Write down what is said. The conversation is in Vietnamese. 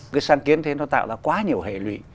cái sáng kiến thế nó tạo ra quá nhiều hệ lụy